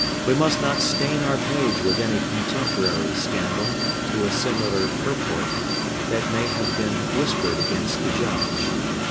We must not stain our page with any contemporary scandal, to a similar purport, that may have been whispered against the Judge.